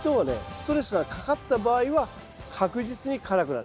ストレスがかかった場合は確実に辛くなる。